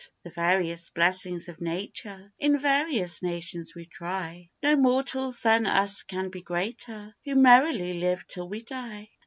The various blessings of nature, In various nations we try; No mortals than us can be greater, Who merrily live till we die.